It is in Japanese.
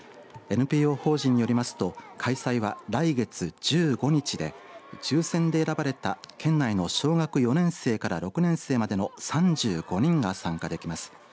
ＮＰＯ法人によりますと開催は、来月１５日で抽せんで選ばれた県内の小学４年生から６年生までの３５人が参加できます。